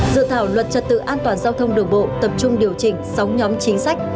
dự thảo luật trật tự an toàn giao thông đường bộ tập trung điều chỉnh sáu nhóm chính sách